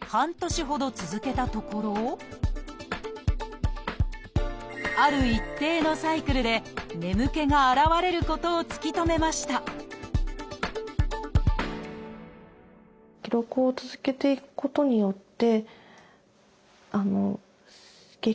半年ほど続けたところある一定のサイクルで眠気が現れることを突き止めましたそれが繰り返されてることが分かって。